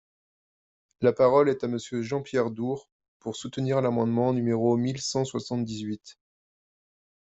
La parole est à Monsieur Jean-Pierre Door, pour soutenir l’amendement numéro mille cent soixante-dix-huit.